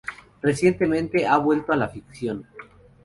Recientemente ha vuelto a la ficción.